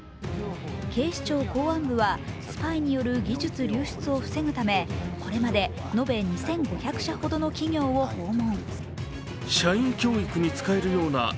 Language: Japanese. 警視庁公安部はスパイによる技術流出を防ぐためこれまで延べ２５００社ほどの企業を訪問。